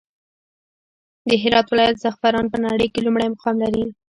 د هرات ولايت زعفران په نړى کې لومړى مقام لري.